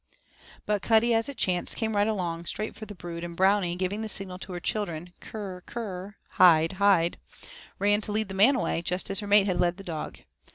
But Cuddy, as it chanced, came right along, straight for the brood, and Brownie, giving the signal to the children, 'Krrr, krrr' (Hide, hide), ran to lead the man away just as her mate had led the dog.